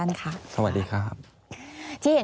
อันดับ๖๓๕จัดใช้วิจิตร